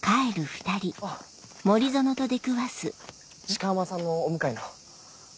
鹿浜さんのお向かいの。